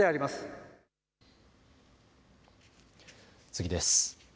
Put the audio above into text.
次です。